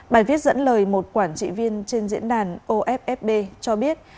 bài viết dẫn lời một quản trị viên trên diễn đàn off cho biết